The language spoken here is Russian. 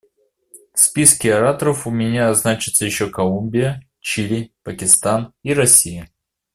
В списке ораторов у меня значатся еще Колумбия, Чили, Пакистан и Россия.